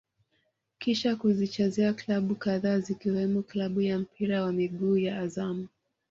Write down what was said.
Kisha kuzichezea klabu kadhaa zikiwemo klabu ya mpira wa miguu ya Azam